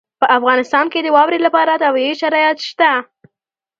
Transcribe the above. په افغانستان کې د واورې لپاره طبیعي شرایط شته.